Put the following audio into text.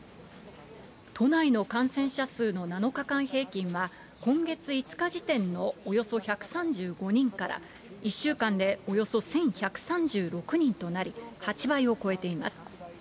都内の感染者数の７日間平均は、今月５日時点のおよそ１３５人から、１週間でおよそ１１３６人となり、８倍を超えています。